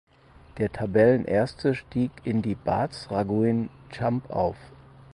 Der Tabellenerste stieg in die Bardsragujn chumb auf.